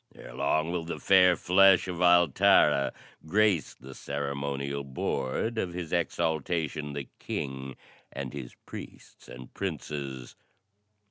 "Ere long will the fair flesh of Altara grace the ceremonial board of His Exaltation, the King, and his priests and princes."